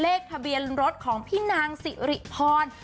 เลขทะเบียนรถของพี่นางสิริพร